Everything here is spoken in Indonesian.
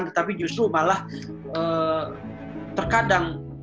tetapi justru malah terkadang